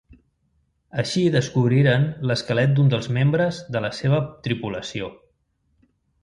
Així descobriren l'esquelet d'un dels membres de la seva tripulació.